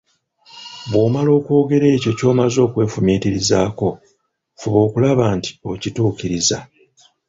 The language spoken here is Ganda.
Bwomala okwogera ekyo ky'omaze okwefumiitirizaako, fuba okulaba nti okituukiriza.